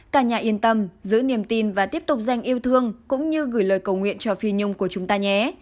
cả nhà yên tâm giữ niềm tin và tiếp tục dành yêu thương cũng như gửi lời cầu nguyện cho phi nhung của chúng ta nhé